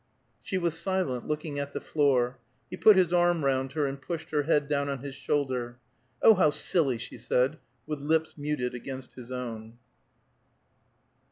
She was silent, looking at the floor. He put his arm round her, and pushed her head down on his shoulder. "Oh, how silly!" she said, with lips muted against his own.